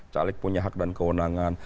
caleg punya hak dan kewenangan